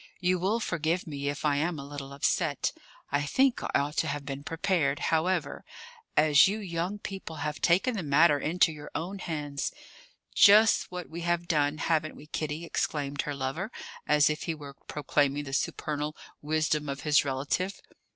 You will forgive me if I am a little upset. I think I ought to have been prepared. However, as you young people have taken the matter into your own hands " "Just what we have done, haven't we, Kitty?" exclaimed her lover, as if he were proclaiming the supernal wisdom of his relative.